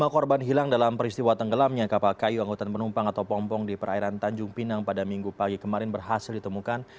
lima korban hilang dalam peristiwa tenggelamnya kapal kayu anggota penumpang atau pompong di perairan tanjung pinang pada minggu pagi kemarin berhasil ditemukan